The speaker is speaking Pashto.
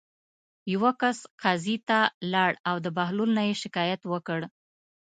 یوه کس قاضي ته لاړ او د بهلول نه یې شکایت وکړ.